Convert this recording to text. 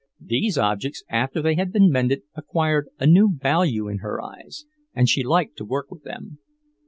These objects, after they had been mended, acquired a new value in her eyes, and she liked to work with them.